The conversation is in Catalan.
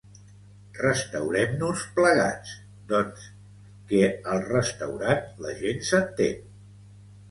Restaurem-nos plegats, doncs, que al restaurant la gent s'entén.